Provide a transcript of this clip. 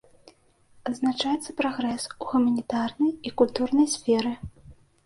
Адзначаецца прагрэс у гуманітарнай і культурнай сферы.